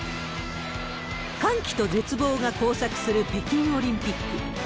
歓喜と絶望が交錯する北京オリンピック。